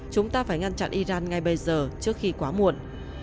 chúng ta phải ngăn chặn iran ngay bây giờ trước khi quá muộn